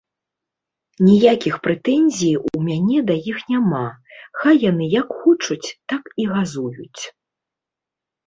Ніякіх прэтэнзій у мяне да іх няма, хай яны як хочуць, так і газуюць.